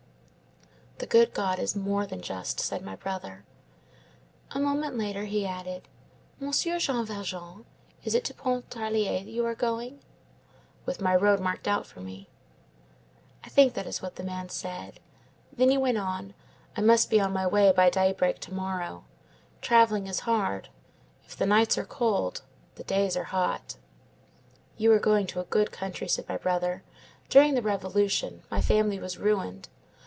"'The good God is more than just,' said my brother. "A moment later he added:— "'Monsieur Jean Valjean, is it to Pontarlier that you are going?' "'With my road marked out for me.' "I think that is what the man said. Then he went on:— "'I must be on my way by daybreak to morrow. Travelling is hard. If the nights are cold, the days are hot.' "'You are going to a good country,' said my brother. 'During the Revolution my family was ruined.